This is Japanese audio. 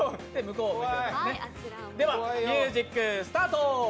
では、ミュージック、スタート！